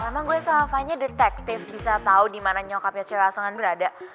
emang gue sama fania detektif bisa tau dimana nyokapnya cewek asongan berada